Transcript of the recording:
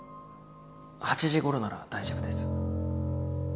８時ごろなら大丈夫です。